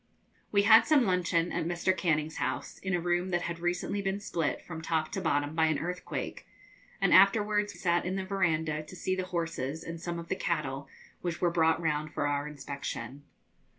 We had some luncheon at Mr. Canning's house, in a room that had recently been split from top to bottom by an earthquake, and afterwards sat in the verandah to see the horses and some of the cattle, which were brought round for our inspection.